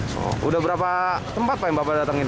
sudah berapa tempat yang bapak datangkan